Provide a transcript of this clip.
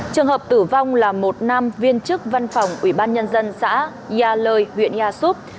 trường hợp tử vong là một nam viên chức văn phòng ủy ban nhân dân xã gia lời huyện ia súp